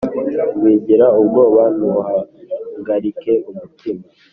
Wigira ubwoba ntuhagarike umutima